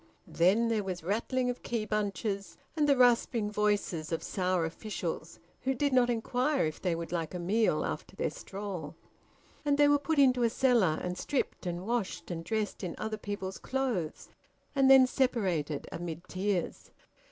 Then there was rattling of key bunches, and the rasping voices of sour officials, who did not inquire if they would like a meal after their stroll. And they were put into a cellar and stripped and washed and dressed in other people's clothes, and then separated, amid tears.